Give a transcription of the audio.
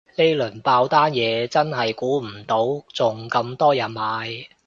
呢輪爆單嘢真係估唔到仲咁多人買